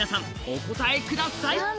お答えください！